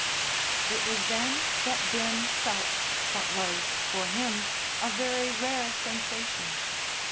It was then that Bim felt what was, for him, a very rare sensation.